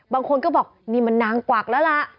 บางคนก็บอกนี่มันนางกวักแล้วล่ะ